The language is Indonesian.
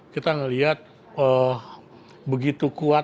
kita ngelihat begitu kuat